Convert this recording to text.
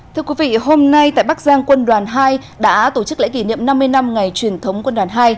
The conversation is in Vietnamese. thưa quý vị hôm nay tại bắc giang quân đoàn hai đã tổ chức lễ kỷ niệm năm mươi năm ngày truyền thống quân đoàn hai